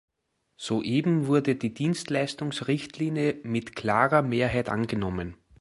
Soeben wurde die Dienstleistungsrichtlinie mit klarer Mehrheit angenommen.